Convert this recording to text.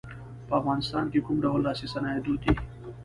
په افغانستان کې کوم ډول لاسي صنایع دود دي.